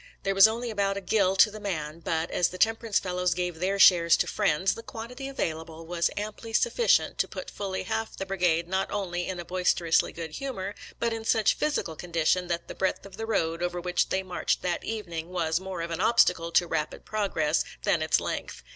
There was only about a gill to the man, but as the temperance fellows gave their shares to friends, the quantity available was amply sufficient to put fully half the brigade not only in a boisterously good humor, but in such physical condition that the breadth of the road over which they marched that evening was more of an obstacle to rapid progress than its length.